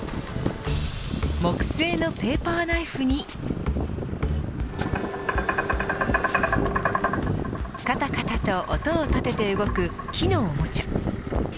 木製のペーパーナイフにかたかたと音を立てて動く木のおもちゃ。